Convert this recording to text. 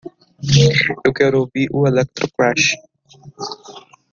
Eu quero ouvir o Electroclash